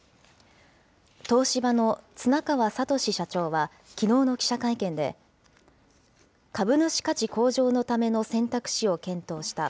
東芝の綱川智社長は、きのうの記者会見で、株主価値向上のための選択肢を検討した。